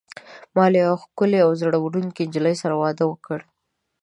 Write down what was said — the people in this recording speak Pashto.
ما له یوې ښکلي او زړه وړونکي نجلۍ سره واده وکړ.